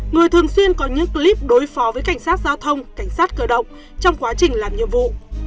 người thường xuyên có những clip đối phó với cảnh sát giao thông cảnh sát cơ động trong quá trình làm nhiệm vụ